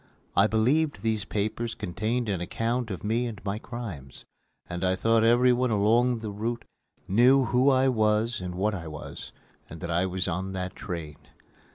I believed these papers contained an account of me and my crimes, and I thought everyone along the route knew who I was and what I was, and that I was on that train.